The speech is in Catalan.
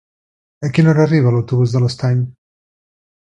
A quina hora arriba l'autobús de l'Estany?